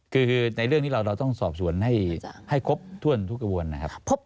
คือในเรื่องนี้เราต้องสอบสวนให้ครบถ้วนทุกกระบวนนะครับ